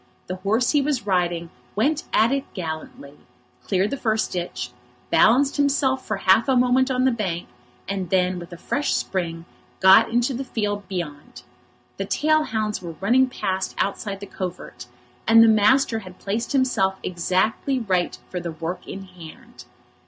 The horse he was riding went at it gallantly, cleared the first ditch, balanced himself for half a moment on the bank, and then, with a fresh spring, got into the field beyond. The tail hounds were running past outside the covert, and the master had placed himself exactly right for the work in hand.